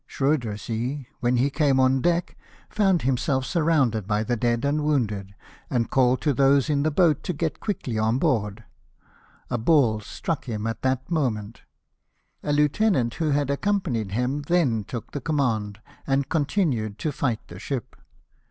Schroedersee, when he came on deck, found him self surrounded by the dead and wounded, and called to those in the boat to get quickly on board : a ball struck him at that moment. A lieutenant, who had accompanied him, then took the command, and continued to fight the ship.